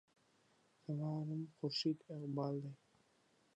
زما نوم خورشید اقبال دے.